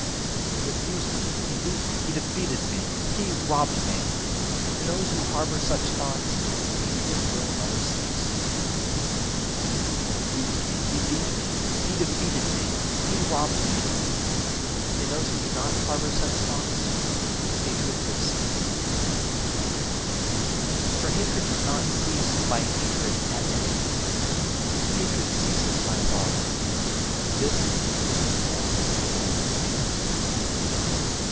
3. "He abused me, he beat me, he defeated me, he robbed me," in those who harbour such thoughts hatred will never cease. 4. "He abused me, he beat me, he defeated me, he robbed me," in those who do not harbour such thoughts hatred will cease. 5. For hatred does not cease by hatred at any time: hatred ceases by love, this is an old rule.